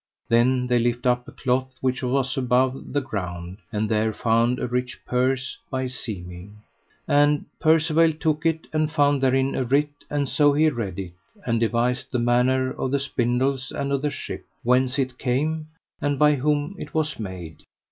Then they lift up a cloth which was above the ground, and there found a rich purse by seeming. And Percivale took it, and found therein a writ and so he read it, and devised the manner of the spindles and of the ship, whence it came, and by whom it was made.